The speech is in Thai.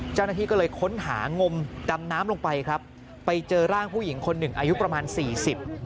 เจ้าหน้าที่ก็เลยค้นหางมดำน้ำลงไปครับไปเจอร่างผู้หญิงคนหนึ่งอายุประมาณสี่สิบ